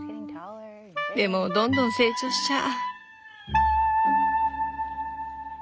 でもどんどん成長しちゃう。